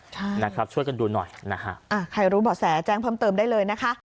ใช่นะครับช่วยกันดูหน่อยนะฮะอ่าใครรู้เบาะแสแจ้งเพิ่มเติมได้เลยนะคะ